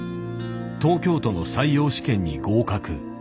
東京都の採用試験に合格。